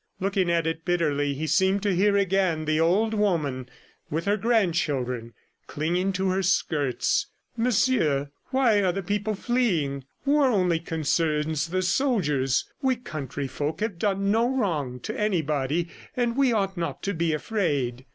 Looking at it bitterly he seemed to hear again the old woman with her grandchildren clinging to her skirts "Monsieur, why are the people fleeing? War only concerns the soldiers. We countryfolk have done no wrong to anybody, and we ought not to be afraid."